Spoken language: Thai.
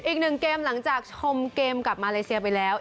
อีกหนึ่งเกมหลังจากชมเกมกับมาเลเซียไปแล้ว